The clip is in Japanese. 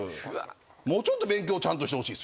もうちょっと勉強ちゃんとしてほしいですよね。